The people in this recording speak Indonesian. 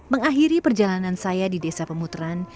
mengakhiri perjalanan saya di desa pemutaran